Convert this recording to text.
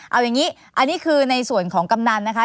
เอาอย่างนี้อันนี้คือในส่วนของกำนันนะคะ